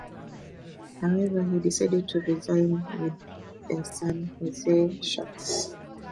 However, he decided to re-sign with the San Jose Sharks.